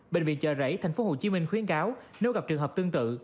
bệnh viện chợ rẫy tp hcm khuyến cáo nếu gặp trường hợp tương tự